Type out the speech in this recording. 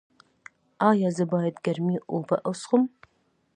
ایا زه باید ګرمې اوبه وڅښم؟